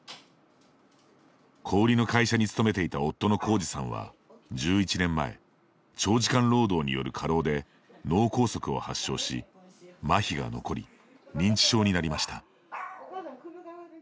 小売の会社に勤めていた夫の浩直さんは１１年前長時間労働による過労で脳梗塞を発症し、まひが残り認知症になりました。